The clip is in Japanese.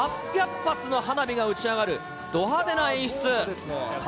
８００発の花火が打ち上がる、ど派手な演出。